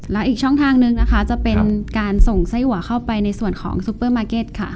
แล้วอีกช่องทางนึงนะคะจะเป็นการส่งไส้อัวเข้าไปในส่วนของซุปเปอร์มาร์เก็ตค่ะ